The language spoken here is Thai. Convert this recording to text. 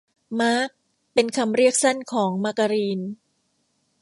มาร์ก เป็นคำเรียกสั้นของมาการีน